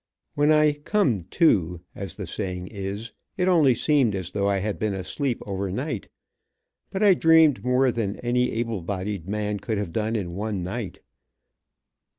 When I "come to," as the saying is, it only seemed as though I had been asleep over night, but I dreamed more than any able bodied man could have done in one night.